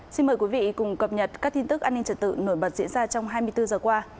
xin mời quý vị cùng cập nhật các tin tức an ninh trật tự nổi bật diễn ra trong hai mươi bốn giờ qua